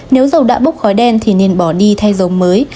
nếu dầu đã bốc khói đen thì nên bỏ đi thay dầu mới